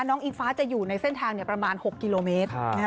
อิงฟ้าจะอยู่ในเส้นทางประมาณ๖กิโลเมตร